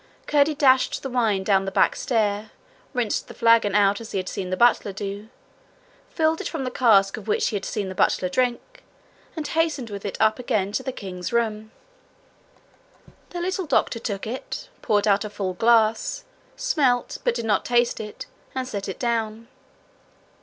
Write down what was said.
Curdie dashed the wine down the back stair, rinsed the flagon out as he had seen the butler do, filled it from the cask of which he had seen the butler drink, and hastened with it up again to the king's room. The little doctor took it, poured out a full glass, smelt, but did not taste it, and set it down.